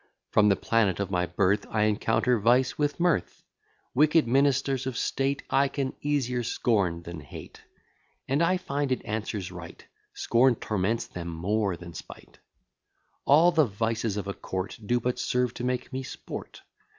From the planet of my birth I encounter vice with mirth. Wicked ministers of state I can easier scorn than hate; And I find it answers right: Scorn torments them more than spight. All the vices of a court Do but serve to make me sport.